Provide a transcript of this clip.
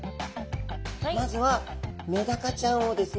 まずはメダカちゃんをですね